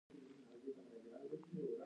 سهار د ذهن صفا کوي.